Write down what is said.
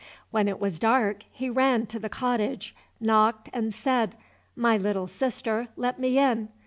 When it was dark he ran to the cottage, knocked, and said, "My little sister, let me in."